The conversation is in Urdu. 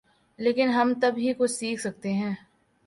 لیکن ہم تب ہی کچھ سیکھ سکتے ہیں۔